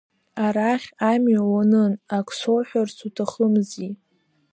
Арахь амҩа уанын, ак соуҳәарц уҭахымзи.